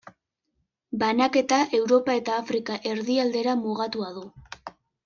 Banaketa Europa eta Afrika erdialdera mugatua du.